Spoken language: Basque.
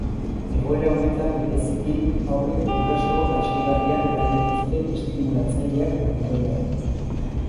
Egoera honetan bereziki, haurrek guraso lasaigarriak behar dituzte estimulatzaileak baino gehiago.